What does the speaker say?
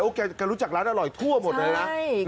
แกรู้จักร้านอร่อยทั่วหมดเลยนะ